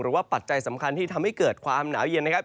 ปัจจัยสำคัญที่ทำให้เกิดความหนาวเย็นนะครับ